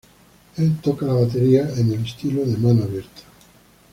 Él toca la batería en el estilo de mano abierta.